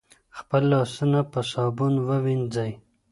خپل لاسونه په صابون ووینځئ.